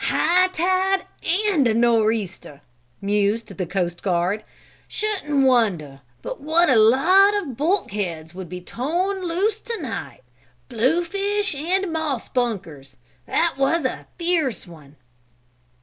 "High tide and a north easter!" mused the coast guard. "Shouldn't wonder but what a lot of bulkheads would be torn loose to night. Bluefish and moss bunkers! That was a fierce one!"